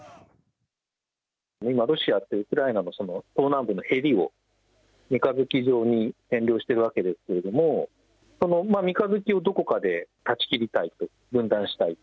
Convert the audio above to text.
今ロシアはウクライナの東南部のへりを三日月状に占領しているわけですけども三日月をどこかで断ち切りたい分断したいと。